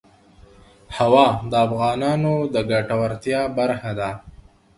هوا د افغانانو د ګټورتیا برخه ده.